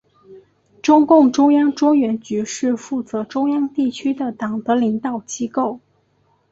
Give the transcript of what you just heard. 中共中央中原局是负责中央地区的党的领导机构。